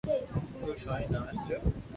خوݾ ھئين ناچيو